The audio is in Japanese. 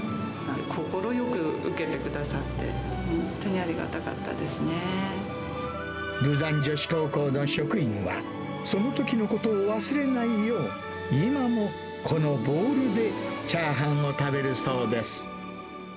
快く受けてくださって、豊山女子高校の職員は、そのときのことを忘れないよう、今もこのボウルでチャーハンを食べるそうです。